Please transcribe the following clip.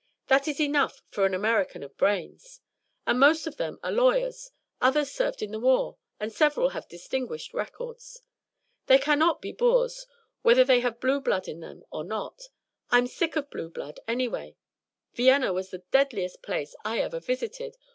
That is enough for an American of brains. And most of them are lawyers; others served in the war, and several have distinguished records. They cannot be boors, whether they have blue blood in them or not. I'm sick of blue blood, anyway. Vienna was the deadliest place I ever visited.